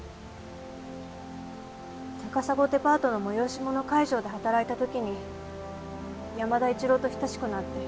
高砂デパートの催し物会場で働いた時に山田一郎と親しくなって。